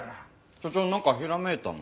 所長なんかひらめいたの？